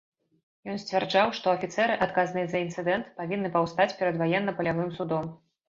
Ён сцвярджаў, што афіцэры, адказныя за інцыдэнт павінны паўстаць перад ваенна-палявым судом.